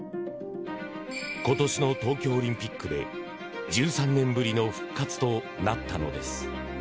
今年の東京オリンピックで１３年ぶりの復活となったのです。